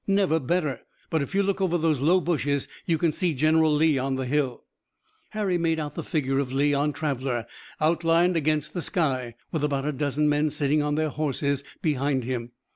"Never better. But if you look over those low bushes you can see General Lee on the hill." Harry made out the figure of Lee on Traveller, outlined against the sky, with about a dozen men sitting on their horses behind him.